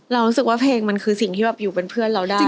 รู้สึกว่าเพลงมันคือสิ่งที่แบบอยู่เป็นเพื่อนเราได้